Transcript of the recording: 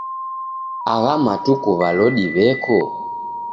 Agha matuku w'alodi w'eko?